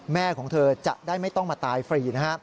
แม่ของเธอจะได้ไม่ต้องมาตายฟรีนะฮะ